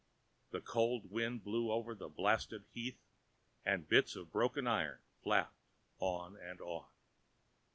The cold wind blew over the blasted heath and bits of broken iron flapped on and on.